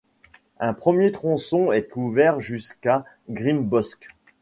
Un premier tronçon est ouvert jusqu'à Grimbosq.